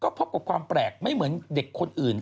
พบกับความแปลกไม่เหมือนเด็กคนอื่น